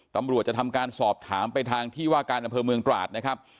ตำรวจจะทำการสอบถามไปทางที่ว่าการอำเภอเมืองตราดนะครับ